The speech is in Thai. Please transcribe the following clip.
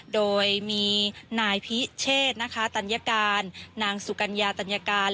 โดยมีนายพิเชษนะคะตัญการนางสุกัญญาตัญญาการ